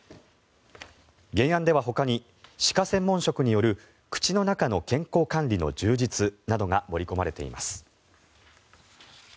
原案ではほかに歯科専門職による口の中の健康管理の充実などが盛り込まれています。